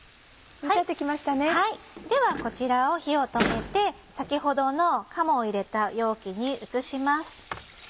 ではこちらを火を止めて先ほどの鴨を入れた容器に移します。